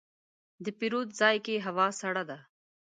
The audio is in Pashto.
د پیرود ځای کې هوا سړه ده.